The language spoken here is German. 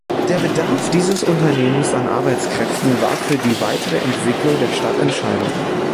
Der Bedarf dieses Unternehmens an Arbeitskräften war für die weitere Entwicklung der Stadt entscheidend.